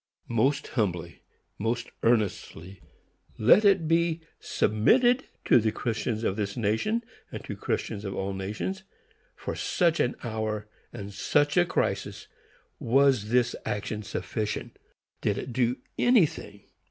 Most humbly, most earnestly, let it be submitted to the Christians of this nation, and to Christians of all nations, for such an hour and such a crisis was this action sufficient? Did it do anything?